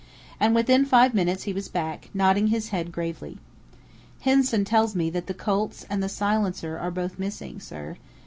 And within five minutes he was back, nodding his head gravely. "Hinson tells me that the Colt's and the silencer are both missing, sir....